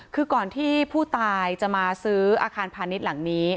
คือก่อนที่ผู้ตายจะมาซื้ออาคารพาณิชย์หลังนี้